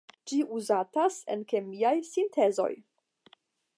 Ĝi uzatas en kemiaj sintezoj.